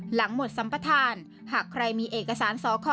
หลังหมดสัมปทานหากใครมีเอกสารสค